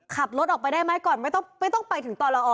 ขับรถออกไปได้ไหมก่อนไม่ต้องไปถึงตละอ